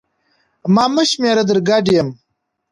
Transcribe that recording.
ما مه شمېره در ګډ یم